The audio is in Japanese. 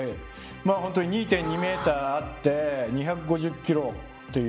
まあ本当に２．２メーターあって２５０キロという。